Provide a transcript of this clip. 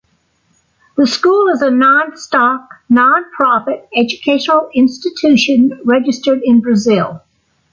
The school is a non-stock, non-profit educational institution registered in Brazil.